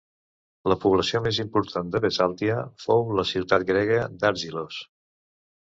La població més important de Bisàltia fou la ciutat grega d'Argilos.